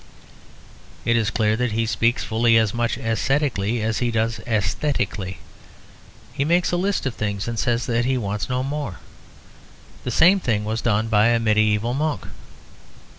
It is clear that he speaks fully as much ascetically as he does æsthetically. He makes a list of things and says that he wants no more. The same thing was done by a mediæval monk.